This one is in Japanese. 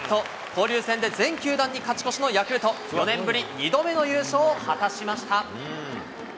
交流戦で全球団に勝ち越しのヤクルト、４年ぶり２度目の優勝を果たしました。